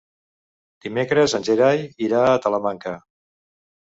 Dimecres en Gerai irà a Talamanca.